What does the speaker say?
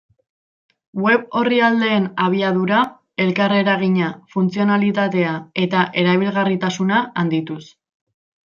Web orrialdeen abiadura, elkarreragina, funtzionalitatea eta erabilgarritasuna handituz.